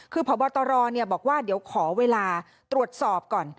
คือพบตรบอกว่าเดี๋ยวขอเวลาตรวจสอบก่อน